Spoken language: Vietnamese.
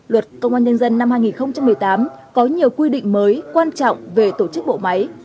luật công an nhân dân năm hai nghìn một mươi tám có nhiều quy định mới quan trọng về tổ chức bộ máy